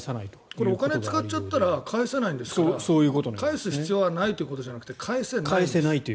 これお金使っちゃったら返せないですから返す必要はないということじゃなくて返せないと。